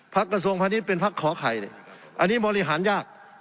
กระทรวงพาณิชย์เป็นพักขอไข่เนี่ยอันนี้บริหารยาก